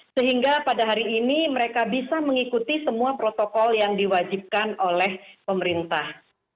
sehingga pada hari ini mereka bisa mengikuti semua protokol yang diwajibkan oleh pemerintah